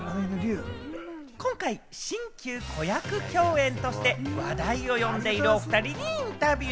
今回、新旧子役共演として話題を呼んでいるお２人にインタビュー。